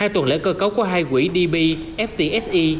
hai tuần lễ cơ cấu của hai quỹ db ftse